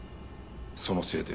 そのせいで。